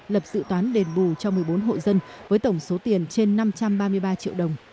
lập dự toán đền bù cho một mươi bốn hộ dân với tổng số tiền trên năm trăm ba mươi ba triệu đồng